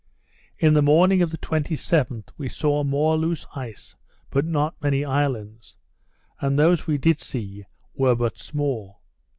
In the morning of the 27th, we saw more loose ice, but not many islands; and those we did see were but small.